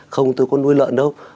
không tôi có nuôi lợn đâu